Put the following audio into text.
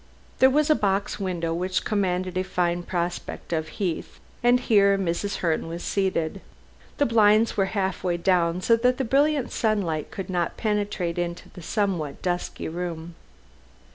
There was a bow window which commanded a fine prospect of the Heath, and here Mrs. Herne was seated. The blinds were half way down, so that the brilliant sunlight could not penetrate into the somewhat dusky room.